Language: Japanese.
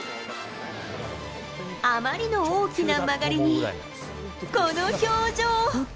あまりの大きな曲がりに、この表情。